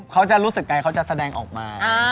เขาจะรู้สึกไงเขาจะแสดงออกมา